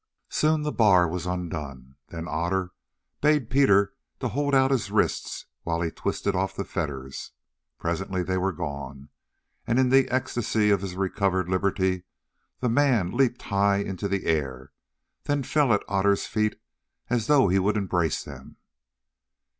Soon the bar was undone, then Otter bade Peter hold out his wrists while he twisted off the fetters. Presently they were gone, and in the ecstasy of his recovered liberty the man leaped high into the air, then fell at Otter's feet as though he would embrace them.